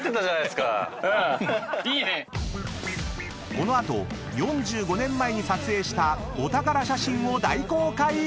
［この後４５年前に撮影したお宝写真を大公開！］